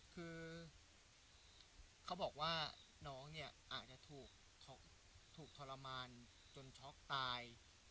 คือเขาบอกว่าน้องเนี่ยอาจจะถูกทรมานจนช็อกตาย